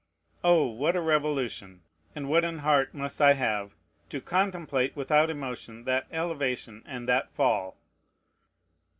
Oh! what a revolution! and what an heart must I have, to contemplate without emotion that elevation and that fall!